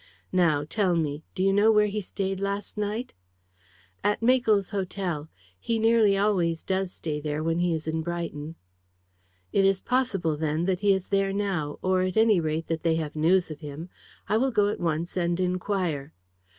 Now, tell me, do you know where he stayed last night?" "At Makell's Hotel. He nearly always does stay there when he is in Brighton." "It is possible, then, that he is there now; or, at any rate, that they have news of him. I will go at once and inquire."